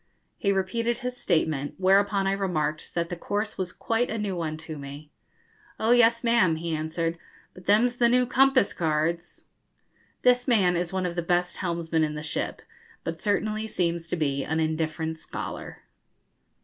He repeated his statement; whereupon I remarked that the course was quite a new one to me. 'Oh, yes, ma'am,' he answered, 'but them's the new compass cards.' This man is one of the best helmsmen in the ship, but certainly seems to be an indifferent scholar.